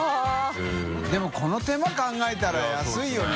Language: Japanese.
任この手間考えたら安いよね。